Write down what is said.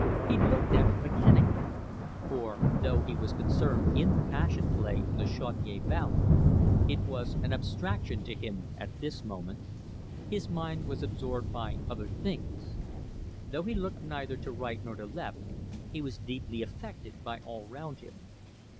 He looked at it mechanically, for, though he was concerned in the Passion Play and the Chaudiere Valley, it was an abstraction to him at this moment. His mind was absorbed by other things. Though he looked neither to right nor to left, he was deeply affected by all round him.